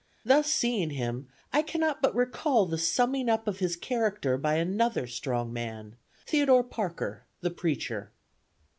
Thus seeing him, I cannot but recall the summing up of his character by another strong man, Theodore Parker, the preacher.